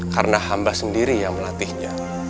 karena hamba sendiri yang melatihnya